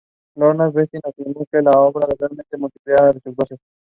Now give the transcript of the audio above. "Antic hay", here, refers to a playful dance.